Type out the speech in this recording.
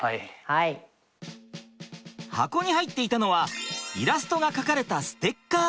箱に入っていたのはイラストが描かれたステッカー。